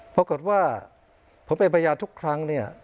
ปรากฏว่าผมเป็นพยานทุกครั้งเนี่ย